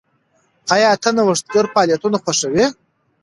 ایا ته نوښتګر فعالیتونه خوښوې؟